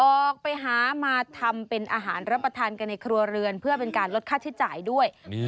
ออกไปหามาทำเป็นอาหารรับประทานกันในครัวเรือนเพื่อเป็นการลดค่าใช้จ่ายด้วย